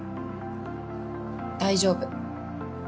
大丈夫。